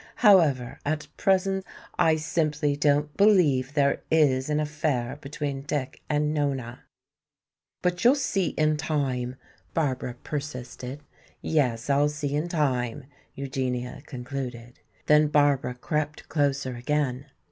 However, at present I simply don't believe there is an affair between Dick and Nona." "But you'll see in time," Barbara persisted. "Yes, I'll see in time," Eugenia concluded. Then Barbara crept closer again.